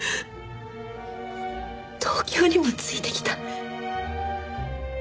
東京にもついてきた。